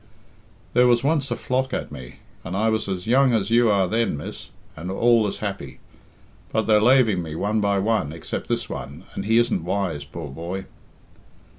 "There was once a flock at me, and I was as young as you are then, miss, and all as happy; but they're laving me one by one, except this one, and he isn't wise, poor boy."